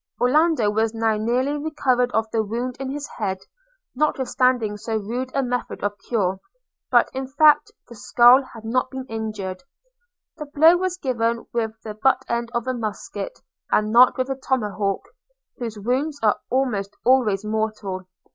Orlando was now nearly recovered of the wound in his head, notwithstanding so rude a method of cure; but, in fact, the skull had not been injured. The blow was given with the butt end of a musket, and not with a tomahawk, whose wounds are almost always mortal.